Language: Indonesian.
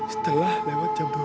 setelah lewat jam dua